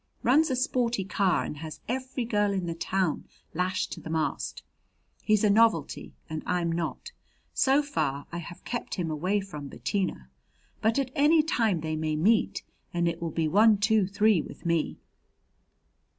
Runs a sporty car and has every girl in the town lashed to the mast. He's a novelty and I'm not. So far I have kept him away from Bettina, but at any time they may meet, and it will be one two three with me."